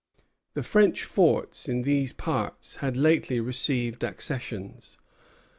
The French force in these parts had lately received accessions.